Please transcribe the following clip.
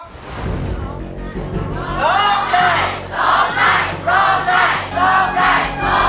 ร้องได้